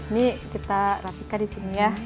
ini kita rapikan di sini ya